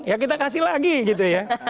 ya kita kasih lagi gitu ya